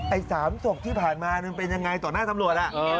ไอ้๓ศพที่ผ่านมามันเป็นยังไงต่อหน้าตำรวจ